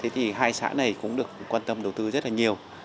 thì hai xã này cũng được quan tâm đầu tư rất là nhiều